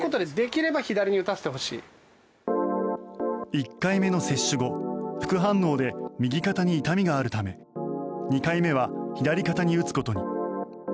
１回目の接種後副反応で右肩に痛みがあるため２回目は左肩に打つことに。